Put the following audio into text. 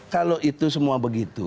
kalau itu semua begitu